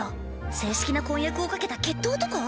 正式な婚約を懸けた決闘とか？